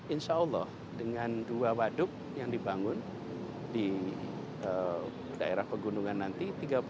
insya allah dengan dua waduk yang dibangun di daerah pegunungan nanti